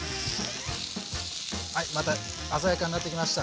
はいまた鮮やかになってきました。